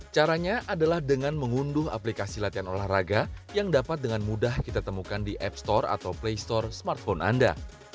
caranya adalah dengan mengunduh aplikasi latihan olahraga yang dapat dengan mudah kita temukan di app store atau play store smartphone anda